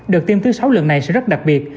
đợt tiêm thứ sáu lần này sẽ rất đặc biệt